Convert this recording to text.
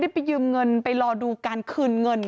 ไปยืมเงินไปรอดูการคืนเงิน